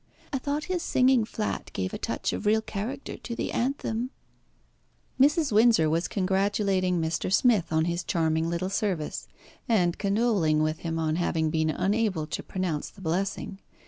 I thought his singing flat gave a touch of real character to the anthem." Mrs. Windsor was congratulating Mr. Smith on his charming little service, and condoling with him on having been unable to pronounce the blessing.